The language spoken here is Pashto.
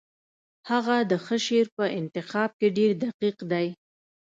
هغه د ښه شعر په انتخاب کې ډېر دقیق دی